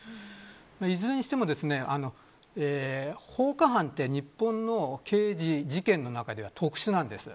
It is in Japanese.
いずれにしても放火犯って日本の刑事事件の中では特殊なんです。